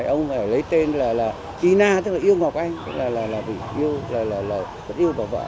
ông lấy tên là y na tức là yêu ngọc anh tức là yêu bà vợ